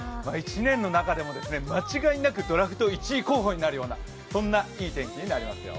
１年の中でも間違いなくドラフト１位候補となるようなそんないい天気になりますよ。